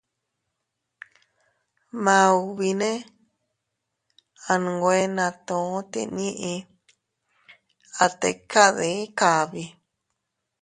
Maubine a nwe natu tinnii, a tika dii kabi.